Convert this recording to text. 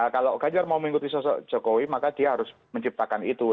kalau ganjar mau mengikuti sosok jokowi maka dia harus menciptakan itu